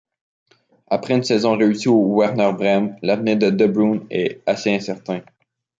Après une saison réussie au Werder Brême, l'avenir de De Bruyne est assez incertain.